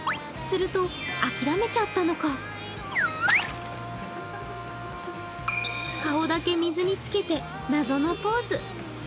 すると、諦めちゃったのか顔だけ水につけて謎のポーズ。